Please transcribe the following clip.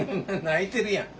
泣いてるやん。